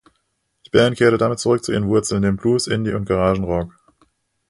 Die Band kehrte damit zurück zu ihren Wurzeln, dem Blues-, Indie- und Garagenrock.